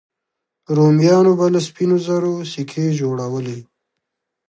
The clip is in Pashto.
رومیانو به له سپینو زرو سکې جوړولې